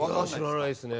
知らないですね。